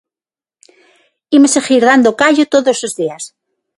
Imos seguir dando o callo todos os días.